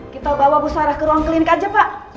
kita bawa bu sarah ke ruang klinik aja pak